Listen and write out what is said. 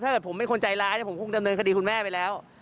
ถ้าเกิดผมเป็นคนใจร้ายผมคงดำเนินคดีคุณแม่ไปแล้ว